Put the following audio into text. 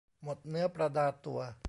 หมดเนื้อประดาตัว